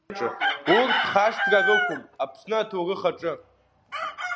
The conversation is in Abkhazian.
Урҭ хашҭра рықәым Аԥсны аҭоурых аҿы.